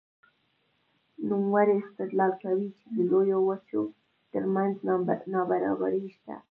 نوموړی استدلال کوي چې د لویو وچو ترمنځ نابرابري شته.